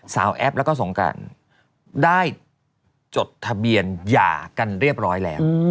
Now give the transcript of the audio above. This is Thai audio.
แอปแล้วก็สงการได้จดทะเบียนหย่ากันเรียบร้อยแล้ว